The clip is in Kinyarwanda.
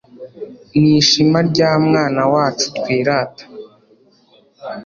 ni ishema rya mwana wacu twirata